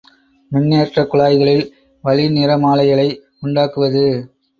மின்னேற்றக் குழாய்களில் வளிநிறமாலைகளை உண்டாக்குவது.